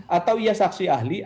atau ia saksi ahli